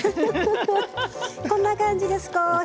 こんな感じで少し。